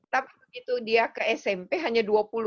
tapi begitu dia ke smp hanya dua puluh